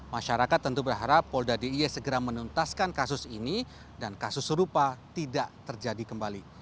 masyarakat tentu berharap polda d i e segera menuntaskan kasus ini dan kasus serupa tidak terjadi kembali